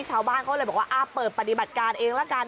ชาวบ้านเขาเลยบอกว่าเปิดปฏิบัติการเองละกัน